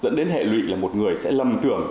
dẫn đến hệ lụy là một người sẽ lầm tưởng